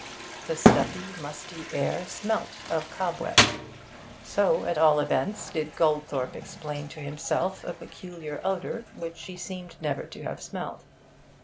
The stuffy, musty air smelt of cobwebs; so, at all events, did Goldthorpe explain to himself a peculiar odour which he seemed never to have smelt.